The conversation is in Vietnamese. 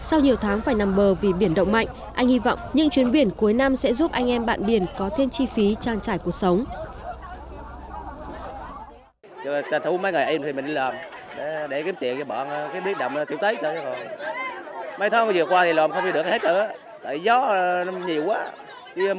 anh hy vọng những chuyến biển cuối năm sẽ giúp anh em bạn biển có thêm chi phí trang trải cuộc sống